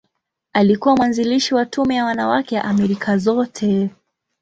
Alikuwa mwanzilishi wa Tume ya Wanawake ya Amerika Zote.